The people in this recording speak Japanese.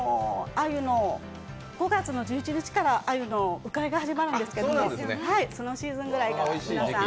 ５月１１日からあゆの鵜飼いが始まるんですけどそのシーズンぐらいから、皆さん。